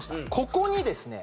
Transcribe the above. ここにですね